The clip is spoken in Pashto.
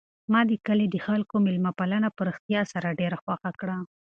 ما د کلي د خلکو مېلمه پالنه په رښتیا سره ډېره خوښه کړه.